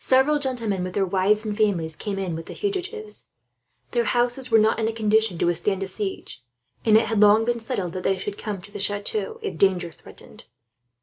Several gentlemen, with their wives and families, came in among the fugitives. Their houses were not in a condition to withstand a siege, and it had long been settled that they should come into the chateau, if danger threatened.